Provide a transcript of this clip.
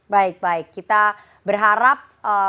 baik baik kita berharap